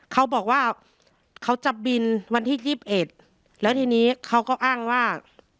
เขาบอกว่าเขาจะบินวันที่๒๑แล้วทีนี้เขาก็อ้างว่า